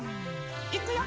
いくよ。